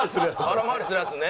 空回りするやつね。